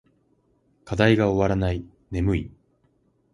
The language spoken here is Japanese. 課題が終わらない。眠い。